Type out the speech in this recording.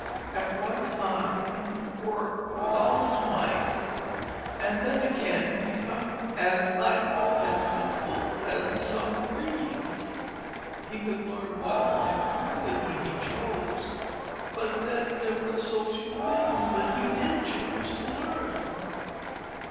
At one time he would work with all his might, and then again become as idle and fitful as the summer breeze. He could learn well and quickly when he chose, but then there were so few things that he did choose to learn.